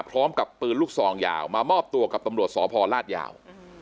พร้อมกับปืนลูกซองยาวมามอบตัวกับตำรวจสพลาดยาว